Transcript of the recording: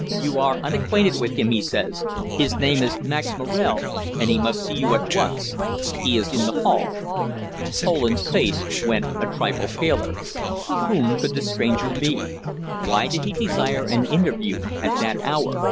You are unacquainted with him, he says. His name is Max Morel, and he must see you at once. He is in the hall." Poland's face went a trifle paler. Whom could the stranger be? Why did he desire an interview at that hour?